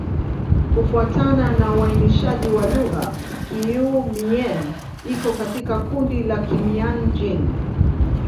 Kufuatana na uainishaji wa lugha, Kiiu-Mien iko katika kundi la Kimian-Jin.